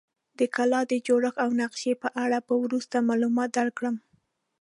د کلا د جوړښت او نقشې په اړه به وروسته معلومات درکړم.